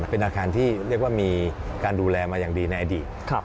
เป็นอาคารที่เรียกว่ามีการดูแลมาอย่างดีในอดีต